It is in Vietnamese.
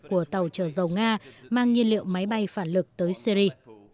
của tàu trở dầu nga mang nhân liệu máy bay phản lực tới syri